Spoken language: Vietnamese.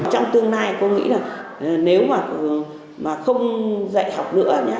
trong tương lai cô nghĩ là nếu mà không dạy học nữa nhé